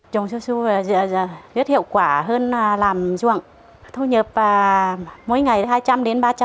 chồng su su rất hiệu quả hơn làm ruộng thu nhập mỗi ngày hai trăm linh đến ba trăm linh